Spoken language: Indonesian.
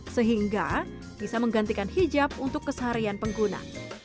sehingga bisa menggantikan hijab untuk keseharian pengguna